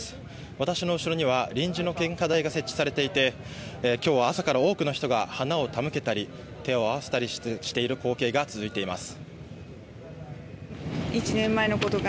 私の後ろには臨時の献花台が設置されていて、きょうは朝から多くの人が花を手向けたり、手を合わせたりしている光景が続いています。